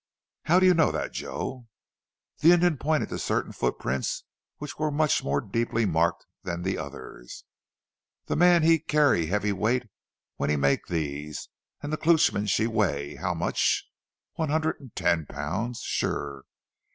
"How do you know that, Joe?" The Indian pointed to certain footprints which were much more deeply marked than the others. "The man he carry heavy weight when he make these, and the Klootchman she weigh, how much? One hundred and ten pounds, sure.